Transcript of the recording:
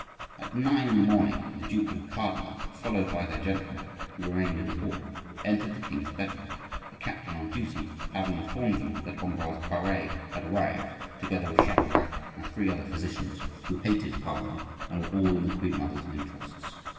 At nine in the morning the duke and cardinal, followed by their gentlemen, who remained in the hall, entered the king's bedroom,—the captain on duty having informed them that Ambroise Pare had arrived, together with Chapelain and three other physicians, who hated Pare and were all in the queen mother's interests.